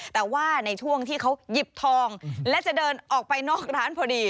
แต่ว่าในช่วงที่เขาหยิบทองและจะเดินออกไปนอกร้านพอดี